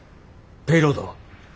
ペイロードは？